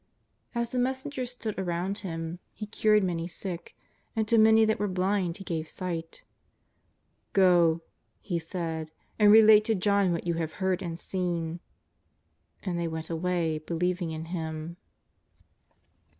As the messengers stood around Him, He cured many sick, and lo many that were blind He gave sight :'^ Go,'' He said, '' and relate to John what you have heard and seen.'' And they went away believing in Him.